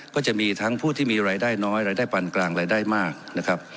ก็จะมีทั้งผู้ที่มีรายได้น้อยรายได้ปันกลางรายได้มากนะครับ